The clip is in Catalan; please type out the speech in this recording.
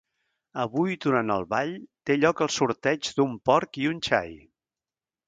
Avui durant el ball té lloc el sorteig d'un porc i un xai.